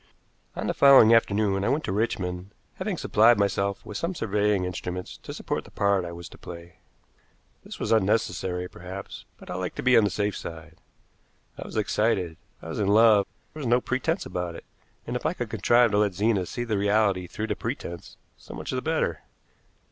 On the following afternoon I went to Richmond, having supplied myself with some surveying instruments to support the part I was to play. This was unnecessary, perhaps, but I like to be on the safe side. I was excited. I was in love, there was no pretense about it, and if I could contrive to let Zena see the reality through the pretense, so much the better.